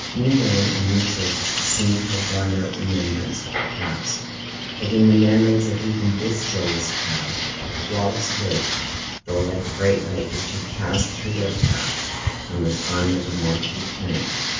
New men and new services seemed to have worn out remembrance of the past; but in the memories of even this joyous crowd, Wallace lived, though like a bright light which had passed through their path, and was gone never more to return.